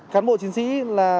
khán bộ chiến sĩ là